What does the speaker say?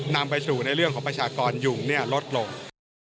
นำไปสู่ในเรื่องของประชากรยุงลดลง